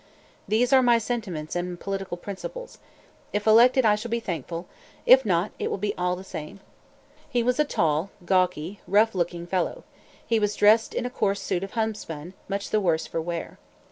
"These are my sentiments and political principles. If elected, I shall be thankful; if not, it will be all the same." He was a tall, gawky, rough looking fellow. He was dressed in a coarse suit of homespun, much the worse for wear.